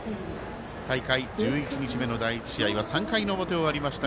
大会１１日目の第１試合は３回の表終わりました。